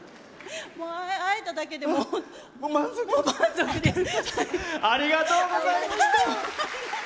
会えただけで、もう満足です。